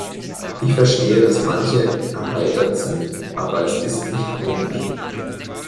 Ich verstehe, dass manche erheitert sind, aber es ist nicht komisch!